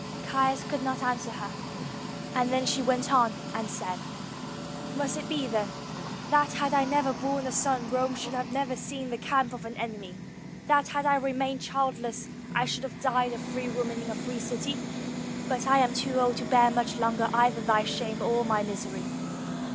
Caius could not answer her, and then she went on and said, "Must it be, then, that had I never borne a son, Rome should never have seen the camp of an enemy; that had I remained childless, I should have died a free woman in a free city? But I am too old to bear much longer either thy shame or my misery.